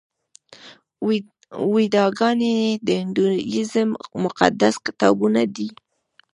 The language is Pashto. ویداګانې د هندویزم مقدس کتابونه دي.